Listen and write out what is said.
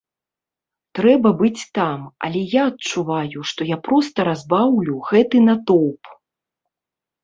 Трэба быць там, але я адчуваю, што я проста разбаўлю гэты натоўп.